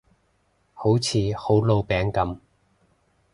好似好老餅噉